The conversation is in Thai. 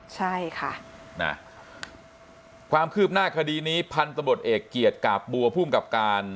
ใช่ค่ะนะความคืบหน้าคดีนี้พันธบทเอกเกียรติกาบบัวภูมิกับการ